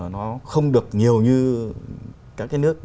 nó không được nhiều như các cái nước